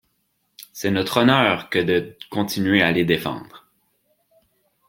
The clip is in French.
C’est notre honneur que de continuer à les défendre.